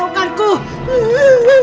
sebergian tak muncul lagi lagi